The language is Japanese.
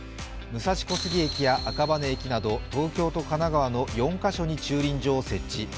武蔵小杉駅や赤羽駅など東京と神奈川の４カ所に設置。